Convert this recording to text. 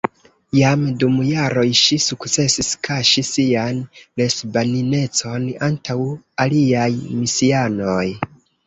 Jam dum jaroj ŝi sukcesis kaŝi sian lesbaninecon antaŭ aliaj misianoj.